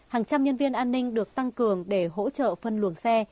hàng trăm nhân viên an ninh được tăng cường để hỗ trợ phân luồng xe